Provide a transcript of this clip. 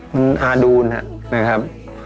มันอาดูลนะครับ